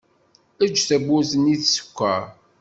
Eǧǧ tawwurt-nni tsekkeṛ.